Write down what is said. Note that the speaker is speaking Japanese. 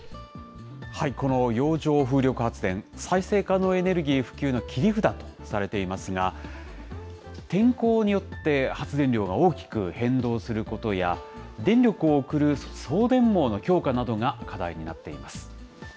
この洋上風力発電、再生可能エネルギー普及の切り札とされていますが、天候によって発電量が大きく変動することや、電力を送る送電網の強化などが課題になっています。